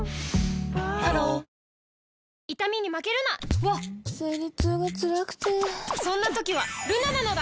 ハローわっ生理痛がつらくてそんな時はルナなのだ！